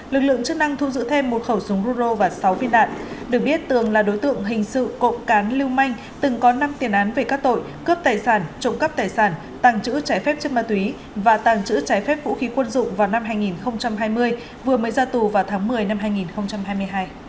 lực lượng chức năng thu giữ thêm một khẩu súng ruro và sáu viên đạn được biết tường là đối tượng hình sự cộng cán lưu manh từng có năm tiền án về các tội cướp tài sản trộm cắp tài sản tàng trữ trái phép chất ma túy và tàng trữ trái phép vũ khí quân dụng vào năm hai nghìn hai mươi vừa mới ra tù vào tháng một mươi năm hai nghìn hai mươi hai